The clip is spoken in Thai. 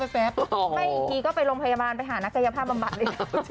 ไม่อีกทีก็ไปโรงพยาบาลไปหานักกายภาพบำบัดเลย